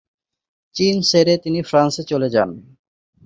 চীন ছেড়ে তিনি ফ্রান্সে চলে যান।